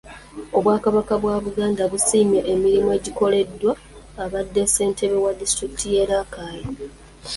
Obwakabaka bwa Buganda busiimye emirimu egikoleddwa abadde ssentebe wa disitulikiti y'e Rakai